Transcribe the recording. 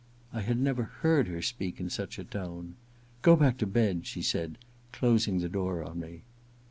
I had never heard her speak in such a tone. * Go back to bed,' she said, closing the door on me.